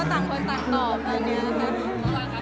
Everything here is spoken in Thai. คุณบอกว่าเจอกันก็ลืมพี่ตอนมาไหนคะ